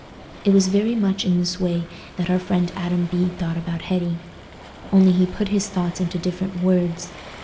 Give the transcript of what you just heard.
It was very much in this way that our friend Adam Bede thought about Hetty; only he put his thoughts into different words.